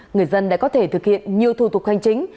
người dân đã có thể thực hiện nhiều thủ tục hành chính